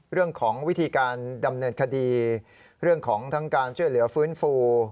เรื่องของวิธีการดำเนินคดีเรื่องของทั้งการช่วยเหลือฟื้นฟู